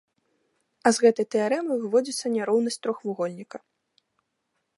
А з гэтай тэарэмы выводзіцца няроўнасць трохвугольніка.